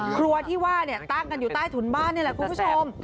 ครัวที่ว่าตั้งกันอยู่ใต้ถุนบ้านนี่แหละคุณผู้ชม